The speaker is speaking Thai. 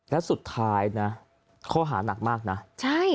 แล้วสุดท้ายนะเขาหาหนักมากนะ